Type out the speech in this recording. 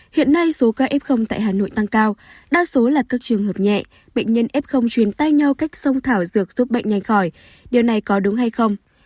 hiện nay số ca f tại hà nội tăng cao đa số là các trường hợp nhẹ bệnh nhân f truyền tay nhau cách sông thảo dược giúp bệnh nhanh khỏi điều này có đúng hay không